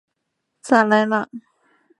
萨莱朗。